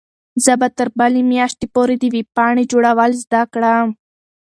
زه به تر بلې میاشتې پورې د ویبپاڼې جوړول زده کړم.